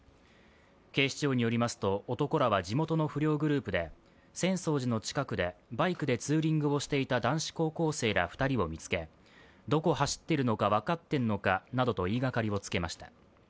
警視庁によりますと男らは地元の不良グループで浅草寺の近くでバイクでツーリングをしていた男子高校生ら２人を見つけ、どこ走ってるのか分かってんのかなどと言いがかりをつけました。